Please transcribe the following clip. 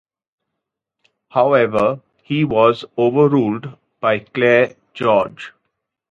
However, he was overruled by Clair George.